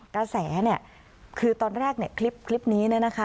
กระแสเนี่ยคือตอนแรกเนี่ยคลิปนี้เนี่ยนะคะ